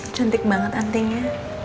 cantik banget antingnya